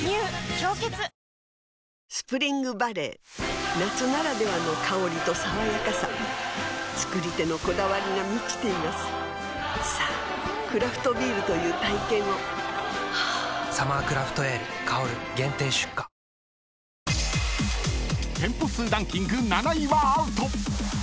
「氷結」スプリングバレー夏ならではの香りと爽やかさ造り手のこだわりが満ちていますさぁクラフトビールという体験を「サマークラフトエール香」限定出荷［店舗数ランキング７位はアウト］